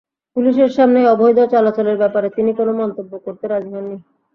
পুলিশের সামনেই অবৈধ চলাচলের ব্যাপারে তিনি কোনো মন্তব্য করতে রাজি হননি।